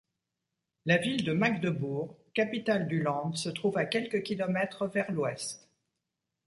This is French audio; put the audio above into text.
La ville de Magdebourg, capital du land, se trouve à quelques kilomètres vers l'ouest.